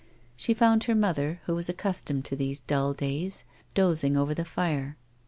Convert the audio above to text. She found her mother, who was accustomed to these dull days, dozing over the fire.